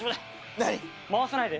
何？